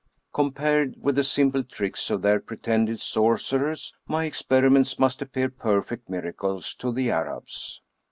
Compared with the simple tricks of their pretended sor cerers, my experiments ^lust appear perfect miracles to the Arabs.